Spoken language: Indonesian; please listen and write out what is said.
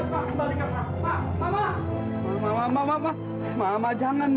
tahu jangan dibakar ma